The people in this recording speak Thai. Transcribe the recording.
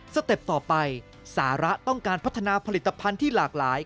เต็ปต่อไปสาระต้องการพัฒนาผลิตภัณฑ์ที่หลากหลาย